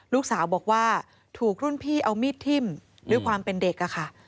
ลูกสาวบอกว่าถูกรุ่นพี่เอามีดทิ้มด้วยความเป็นเด็กอะค่ะ